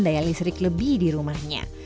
daya listrik lebih di rumahnya